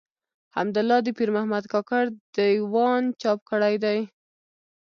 حمدالله د پيرمحمد کاکړ د ېوان چاپ کړی دﺉ.